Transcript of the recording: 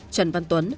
trần văn tuấn